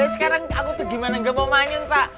sekarang aku tuh gimana gak mau manyun pak